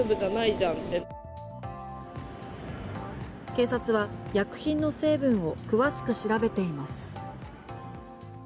警察は薬品の成分を詳しく調べています。